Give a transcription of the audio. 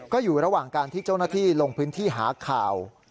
ก็อยู่ระหว่างการที่เจ้าหน้าที่ลงพื้นที่หาข่าว